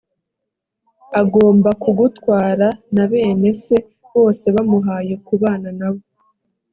agomba kugutwara na bene se bose bamuhaye kubana na bo